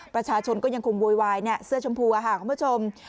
ประชาชนก็ยังคงโวยวายเสื้อชมพูค่ะคุณผู้ชม